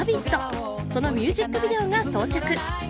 そのミュージックビデオが到着。